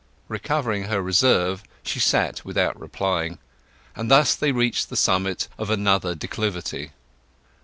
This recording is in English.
Recovering her reserve, she sat without replying, and thus they reached the summit of another declivity.